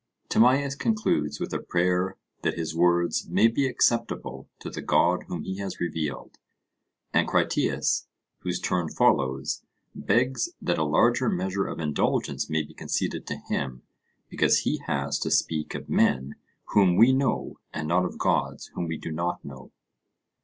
Timaeus concludes with a prayer that his words may be acceptable to the God whom he has revealed, and Critias, whose turn follows, begs that a larger measure of indulgence may be conceded to him, because he has to speak of men whom we know and not of gods whom we do not know.